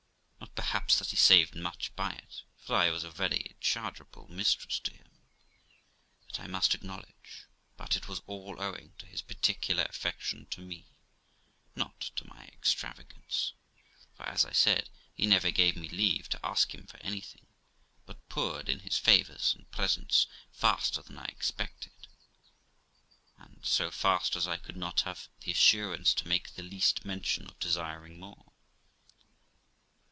Not, perhaps, that he saved much by it, for I was a very chargeable mistress to him, that I must acknowledge, but it was all owing to his particular affection to me, not to my extravagance, for, as I said, he never gave me leave to ask him for anything, but poured in his favours and presents faster than I expected, and so fast as I could not have the assurance to make the least mention of desiring more.